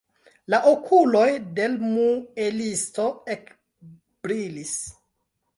La okuloj de l' muelisto ekbrilis.